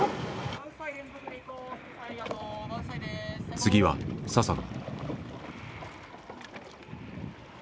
次は佐々野。